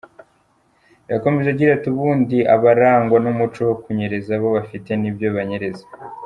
Yakomeje agira ati “Ubundi abarangwa n’umuco wo kunyereza bo bafite nibyo banyereza.